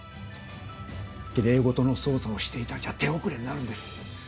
きれい事の捜査をしていたんじゃ手遅れになるんです。